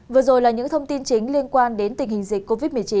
vừa rồi là những thông tin chính liên quan đến tình hình dịch covid một mươi chín